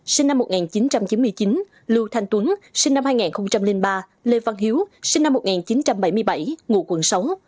sinh năm một nghìn chín trăm chín mươi chín lưu thanh tuấn sinh năm hai nghìn ba lê văn hiếu sinh năm một nghìn chín trăm bảy mươi bảy ngụ quận sáu